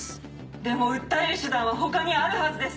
でも訴える手段は他にあるはずです！